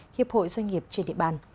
hiệp hội doanh nghiệp trên địa bàn